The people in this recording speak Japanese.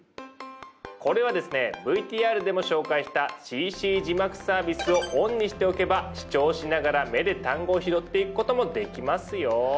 これはですねＶＴＲでも紹介したＣＣ字幕サービスをオンにしておけば視聴しながら目で単語を拾っていくこともできますよ。